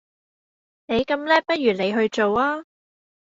你咁叻不如你去做吖